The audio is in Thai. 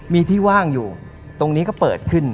มีที่ว่างอยู่ตรงนี้ก็เปิดขึ้น